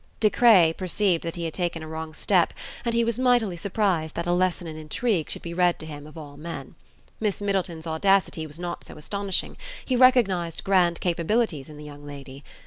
De Craye perceived that he had taken a wrong step, and he was mightily surprised that a lesson in intrigue should be read to him of all men. Miss Middleton's audacity was not so astonishing: he recognized grand capabilities in the young lady.